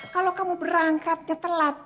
kalau kamu berangkatnya telat